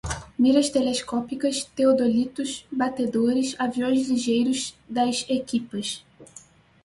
Miras telescópicas, teodolitos, batedores, aviões ligeiros das equipas